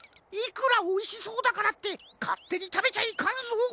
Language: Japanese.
いくらおいしそうだからってかってにたべちゃいかんぞ！